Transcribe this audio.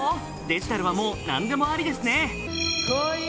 デジタルは何でもありですね。